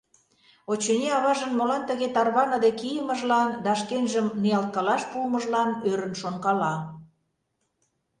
Очыни, аважын молан тыге тарваныде кийымыжлан да шкенжым ниялткалаш пуымыжлан ӧрын шонкала.